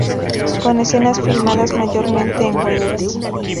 Con escenas filmadas mayormente en Wales.